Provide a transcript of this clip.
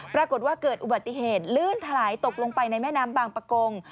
ปรากฏว่าเกิดอุบัติเหตุลื่นถลายตกลงไปในแม่น้ำบางประกง